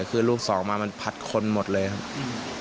คือลูกสองมามันพัดคนหมดเลยครับ